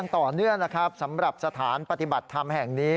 ต่อเนื่องนะครับสำหรับสถานปฏิบัติธรรมแห่งนี้